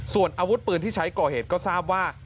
ส่วนอาวุธปืนที่ใช้ก่อเหตุก็ทราบว่า